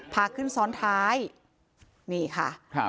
พาขึ้นซ้อนท้ายนี่ค่ะ